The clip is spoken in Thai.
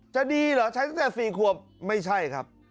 จะดีเหรอใช้ตั้งแต่๔ขวบไม่ใช่ครับ